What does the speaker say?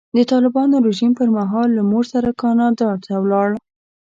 د طالبانو رژیم پر مهال له مور سره کاناډا ته ولاړل.